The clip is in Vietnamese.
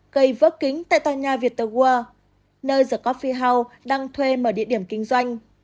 cây vớt kính tại tòa nhà viettel world nơi the coffee house đang thuê mở địa điểm kinh doanh